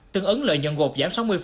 tương ứng lợi nhận gột giảm sáu mươi năm